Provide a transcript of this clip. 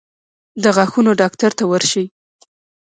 د غاښونو ډاکټر ته ورشئ